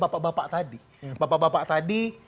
bapak bapak tadi bapak bapak tadi